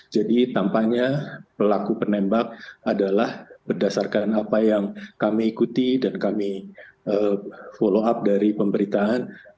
jadi tampaknya pelaku penembak adalah berdasarkan apa yang kami ikuti dan kami follow up dari pemberitaan